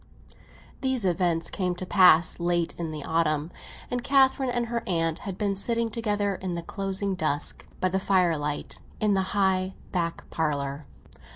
These events came to pass late in the autumn, and Catherine and her aunt had been sitting together in the closing dusk, by the firelight, in the high back parlour.